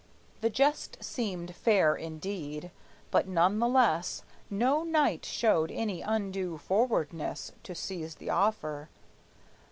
The jest seemed fair indeed; but none the less No knight showed any undue forwardness To seize the offer.